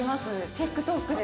ＴｉｋＴｏｋで。